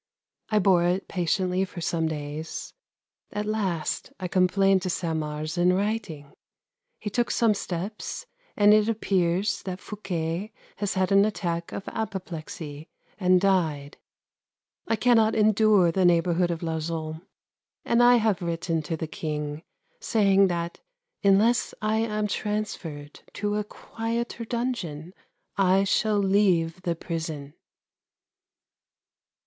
I bore it patiently for some days. At last I complained to Saint Mars in writing, he took some steps and it appears that Fouquet has had an attack of apoplexy and died. I cannot endure the neighbourhood of Lauzun, and I have written to the King saying that unless I am transferred to a quieter dungeon I shall leave the prison.